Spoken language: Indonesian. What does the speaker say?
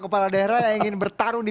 kepala daerah yang ingin bertarung nih